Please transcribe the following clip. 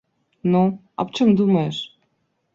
Ну, аб чым думаеш?